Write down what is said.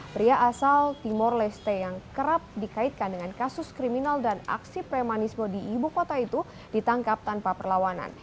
pria asal timor leste yang kerap dikaitkan dengan kasus kriminal dan aksi premanisme di ibu kota itu ditangkap tanpa perlawanan